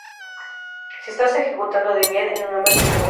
Si estás ejecutando Debian en una máquina virtual